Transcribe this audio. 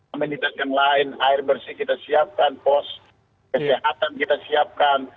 amenitas yang lain air bersih kita siapkan pos kesehatan kita siapkan